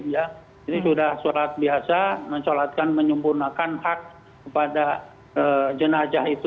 ini sudah solat biasa mencolatkan menyempurnakan hak pada jenazah itu